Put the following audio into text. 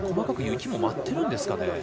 細かく雪も舞ってるんですかね。